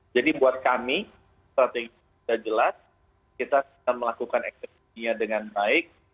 jadi buat kami strategi sudah jelas kita akan melakukan ekonominya dengan baik